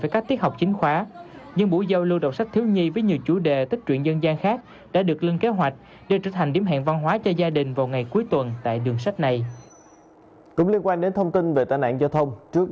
cũng tại đường sách thành phố nhà xuất bán văn hóa văn nghệ cùng hộ nhà văn tp hcm